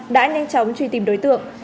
đã nhanh chóng truy tìm đối tượng